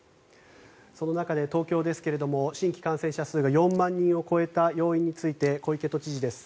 その中で東京ですが新規感染者数が４万人を超えた要因について小池都知事です。